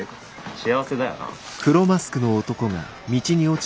幸せだよな。